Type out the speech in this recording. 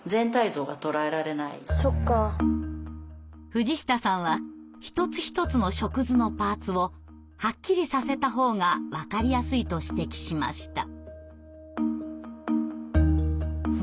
藤下さんは一つ一つの触図のパーツをはっきりさせた方が分かりやすいと指摘しました。